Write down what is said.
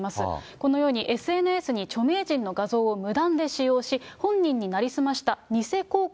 このようにＳＮＳに著名人の画像を無断で使用し、本人に成り済ま偽広告。